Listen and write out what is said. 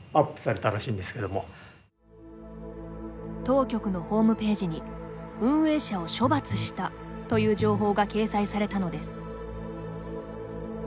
当局のホームページに「運営者を処罰した」という情報が掲載されたのです。